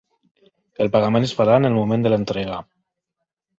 El pagament es farà en el moment de l'entrega.